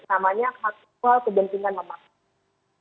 namanya hal hal kegantian memaksa